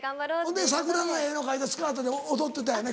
ほんで桜の絵の描いたスカートで踊ってたよな